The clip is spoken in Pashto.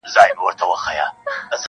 ډاکټره خاص ده ګنې وه ازله -